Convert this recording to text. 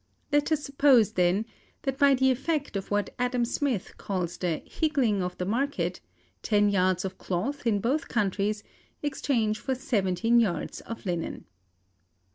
Let us suppose, then, that by the effect of what Adam Smith calls the higgling of the market, ten yards of cloth, in both countries, exchange for seventeen yards of linen.